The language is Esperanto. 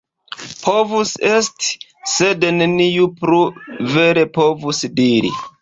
Povus esti, sed neniu plu vere povus diri.